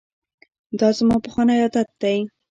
دا زما پخوانی عادت دی.